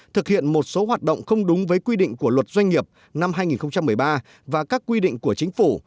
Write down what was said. thực hiện một số hoạt động không đúng với quy định của luật doanh nghiệp năm hai nghìn một mươi ba và các quy định của chính phủ